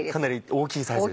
大きいサイズ